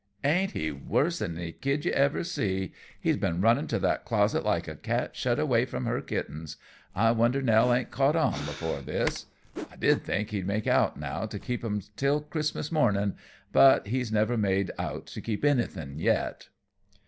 "Ain't he worse than any kid you ever see? He's been running to that closet like a cat shut away from her kittens. I wonder Nell ain't caught on before this. I did think he'd make out now to keep 'em till Christmas morning; but he's never made out to keep anything yet."